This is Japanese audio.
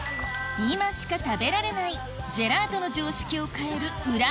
今しか食べられないジェラートの常識を変える裏